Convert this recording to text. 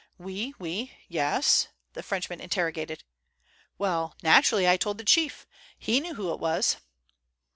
"Oui, oui. Yes?" the Frenchman interrogated. "Well, naturally I told the chief. He knew who it was."